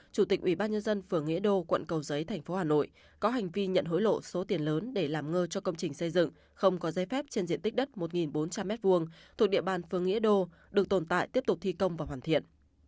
chủ tịch ủy ban nhân dân phường nghĩa đô quận cầu giấy thành phố hà nội có hành vi nhận hối lộ số tiền lớn để làm ngơ cho công trình xây dựng không có giấy phép trên diện tích đất một bốn trăm linh m hai thuộc địa bàn phương nghĩa đô được tồn tại tiếp tục thi công và hoàn thiện